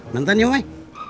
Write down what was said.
nonton yuk mai